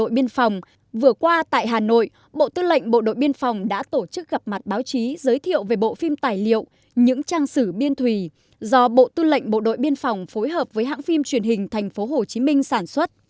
bộ đội biên phòng vừa qua tại hà nội bộ tư lệnh bộ đội biên phòng đã tổ chức gặp mặt báo chí giới thiệu về bộ phim tài liệu những trang sử biên thùy do bộ tư lệnh bộ đội biên phòng phối hợp với hãng phim truyền hình thành phố hồ chí minh sản xuất